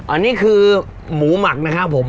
อันนี้คือหมูหมักนะครับผม